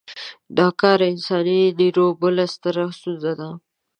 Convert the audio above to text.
نا کاره انساني نیرو بله ستره ستونزه ده.